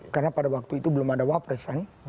karena pada waktu itu belum ada wapres kan